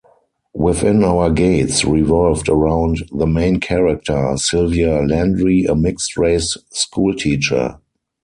"Within Our Gates" revolved around the main character, Sylvia Landry, a mixed-race school teacher.